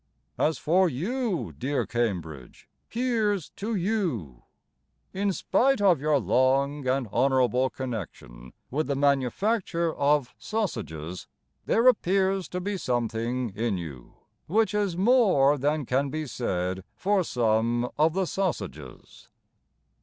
As for you, dear Cambridge, Here's to you: In spite of your long and honourable connection With the manufacture Of sossiges, There appears to be something in you, Which is more than can be said For some of the sossiges.